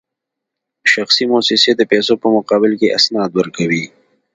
شخصي موسسې د پیسو په مقابل کې اسناد ورکوي